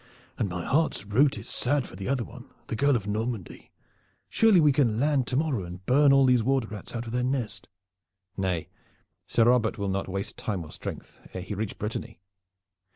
And my heart's root is sad for the other one, the girl of Normandy. Surely we can land to morrow and burn all these water rats out of their nest." "Nay, Sir Robert will not waste time or strength ere he reach Brittany."